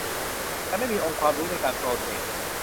แต่ไม่มีองค์ความรู้ในการโปรเซส